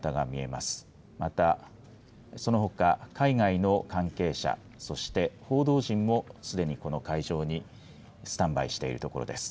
また、そのほか海外の関係者、そして報道陣もすでにこの会場にスタンバイしているところです。